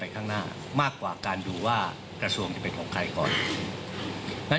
ดีล่ะมากกว่ากับการดูว่ากระโสงแต่ะพบให้ก่อน